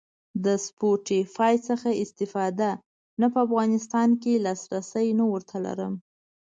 د سپوټیفای څخه استفاده؟ نه په افغانستان کی لاسرسی نه ور ته لرم